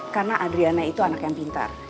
karena adriana itu anak yang pintar